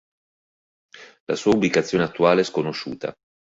La sua ubicazione attuale è sconosciuta.